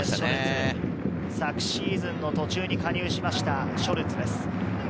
昨シーズンの途中に加入しました、ショルツです。